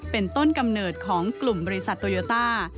เป็นต้นกำเนิดของกลุ่มบริษัทโตโยต้า